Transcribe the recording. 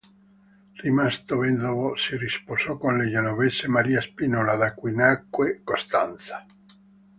Rimasto vedovo si risposò con la genovese Maria Spinola da cui nacque Costanza.